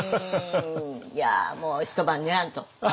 いやもう一晩練らんと。